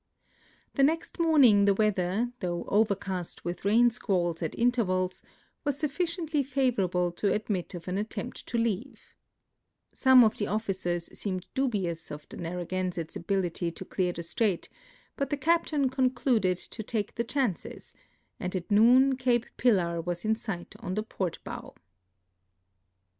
The next morning the weather, though overcast with rain squalls at intervals, was sufficiently favorable to admit of an WIXTER VOYAGJ : TlUlorail STIIMTS OF MAC; ELLAS 141 attempt to leave. Some of the officers seemed (lul)iou.s of the X<(rr(((/(insctCs ability to clear the strait, but the captain con cluded to take the chances, and at noon Cape Pillar was in sight on the port bow.